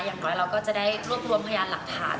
อย่างน้อยเราก็จะได้รวบรวมพยานหลักฐาน